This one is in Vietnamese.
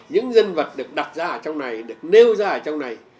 những nhân vật được đặt ra ở trong này được nêu ra ở trong này